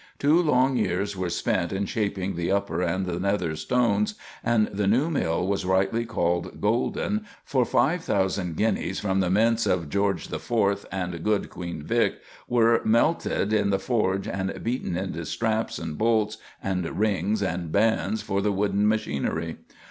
Two long years were spent in shaping the upper and the nether stones, and the new mill was rightly called "golden," for five thousand guineas from the mints of George the Fourth and good Queen Vic. were melted in the forge and beaten into straps and bolts and rings and bands for the wooden machinery.